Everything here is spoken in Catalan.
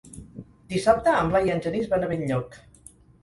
Dissabte en Blai i en Genís van a Benlloc.